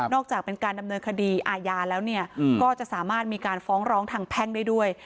จากเป็นการดำเนินคดีอาญาแล้วก็จะสามารถมีการฟ้องร้องทางแพ่งได้ด้วย